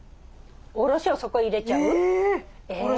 おろしをそこ入れちゃう？え！